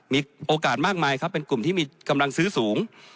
มีโอกาสมากมายครับเป็นกลุ่มที่มีกำลังซื้อสูง